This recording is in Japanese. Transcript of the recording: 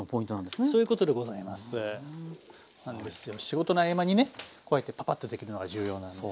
仕事の合間にねこうやってパパッとできるのが重要なんです。